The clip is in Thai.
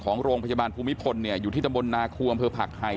ของโรงพยาบาลภูมิพลเนี่ยอยู่ที่ตำบลนาคูอำเภอผักไห่